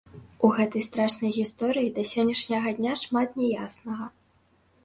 У гэтай страшнай гісторыі да сённяшняга дня шмат не яснага.